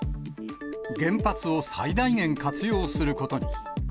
原発を最大限活用することに。